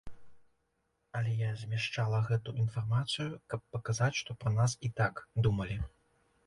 Але я змяшчала гэту інфармацыю, каб паказаць, што пра нас і так думалі.